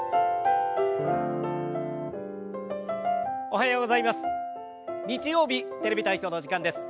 おはようございます。